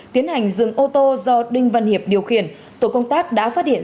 tiến hành dừng ô tô do đinh văn hiệp điều khiển tổ công tác đã phát hiện